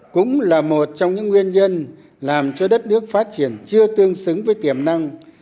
cũng là một trong những nguyên nhân làm cho đất nước phát triển chưa tương xứng với tiềm năng